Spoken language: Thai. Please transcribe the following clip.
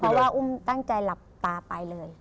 เพราะว่าอุ้มตั้งใจหลับตาไปเลย